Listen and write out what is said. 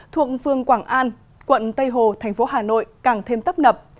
thuộc phương quảng an quận tây hồ thành phố hà nội càng thêm tấp nập